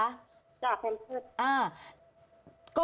คุณยายครับเป็นเพื่อนผู้เหตุ